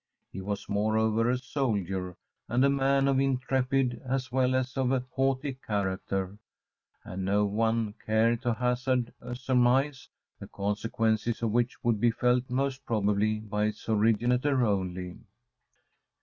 He was, moreover, a soldier, and a man of intrepid as well as of a haughty character; and no one cared to hazard a surmise, the consequences of which would be felt most probably by its originator only.